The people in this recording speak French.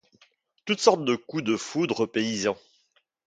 Toutes sortes de coups de foudre paysans.